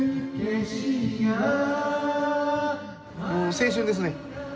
青春ですね。